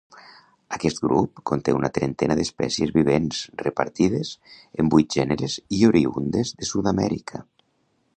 Aquest grup conté una trentena d'espècies vivents repartides en vuit gèneres i oriündes de Sud-amèrica.